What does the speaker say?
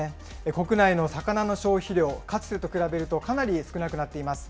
国内の魚の消費量、かつてと比べると、かなり少なくなっています。